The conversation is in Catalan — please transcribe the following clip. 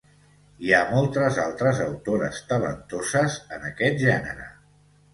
Hi ha moltes altres autores talentoses en aquest gènere